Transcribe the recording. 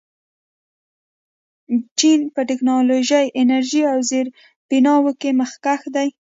چین په ټیکنالوژۍ، انرژۍ او زیربناوو کې مخکښ دی.